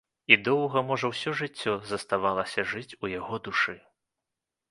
І доўга, можа, усё жыццё, заставалася жыць у яго душы.